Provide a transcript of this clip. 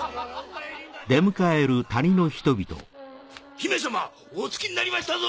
姫様お着きになりましたぞ。